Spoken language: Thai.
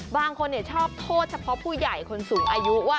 บางคนชอบโทษเฉพาะผู้ใหญ่คนสูงอายุว่า